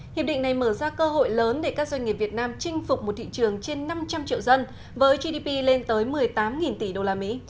hiệp định này mở ra cơ hội lớn để các doanh nghiệp việt nam chinh phục một thị trường trên năm trăm linh triệu dân với gdp lên tới một mươi tám tỷ usd